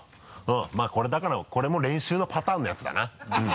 まぁこれも練習のパターンのやつだな。